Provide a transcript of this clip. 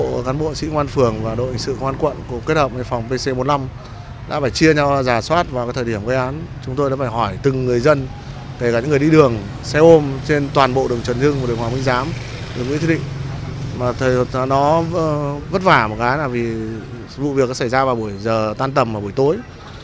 vụ việc đã xảy ra vào buổi giờ tan tầm vào buổi tối